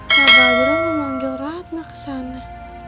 abang jero memanggil ratna ke sana